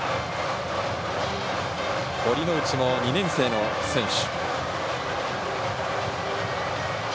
堀之内も２年生の選手。